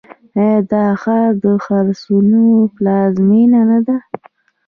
آیا دا ښار د خرسونو پلازمینه نه ده؟